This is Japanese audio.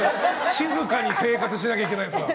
静かに生活しなきゃいけないんですか。